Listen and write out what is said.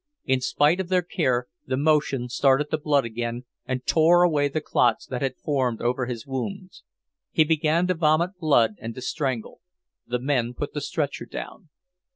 In spite of their care, the motion started the blood again and tore away the clots that had formed over his wounds. He began to vomit blood and to strangle. The men put the stretcher down.